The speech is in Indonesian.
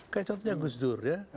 kayak contohnya gus dur ya